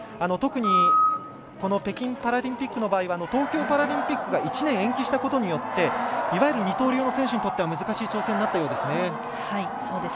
特に北京パラリンピックの場合は東京パラリンピックが１年延期したことによっていわゆる二刀流の選手にとっては難しい調整になったようですね。